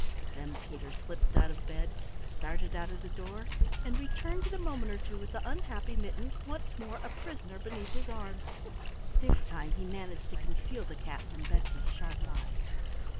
Then Peter slipped out of bed, darted out of the door, and returned in a moment or two with the unhappy Mittens once more a prisoner beneath his arm. This time he managed to conceal the cat from Betsy's sharp eyes.